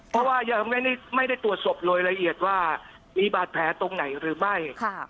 เพราะว่ายังไม่ได้ตรวจศพโดยละเอียดว่ามีบาดแผลตรงไหนหรือไม่